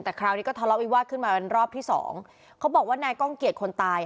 แต่คราวนี้ก็ทะเลาะวิวาสขึ้นมาเป็นรอบที่สองเขาบอกว่านายก้องเกียจคนตาย